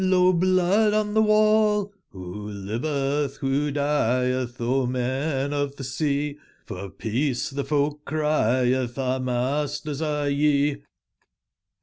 lo, blood on tbe wall! <nbo livetb, wbo dietb ? O men of tbe sea, for peace tbe folk crietb : our masters are ye.